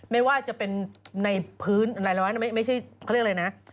ไม่ว่าจะเป็นในพื้นรายร้อยไม่ใช่เขาเรียกอะไรนะ